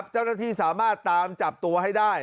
เจ้าหน้าที่สามารถตามจับตัวให้ได้